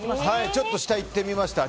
ちょっと、下いってみました。